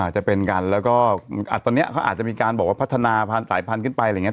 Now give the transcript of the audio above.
จะเป็นกันแล้วก็ตอนนี้เขาอาจจะมีการบอกว่าพัฒนาพันธุ์สายพันธุ์ขึ้นไปอะไรอย่างนี้